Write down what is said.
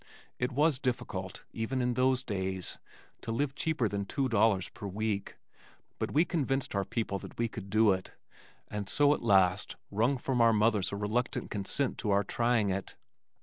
It was difficult, even in those days, to live cheaper than two dollars per week, but we convinced our people that we could do it, and so at last wrung from our mothers a reluctant consent to our trying it.